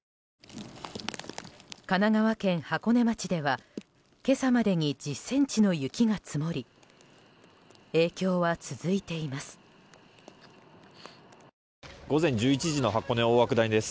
神奈川県箱根町では今朝までに１０ｃｍの雪が積もり影響は続いています。